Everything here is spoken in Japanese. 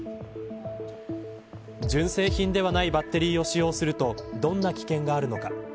純正品ではないバッテリーを使用するとどんな危険があるのか。